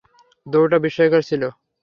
দৌড়টা বিস্ময়কর ছিল।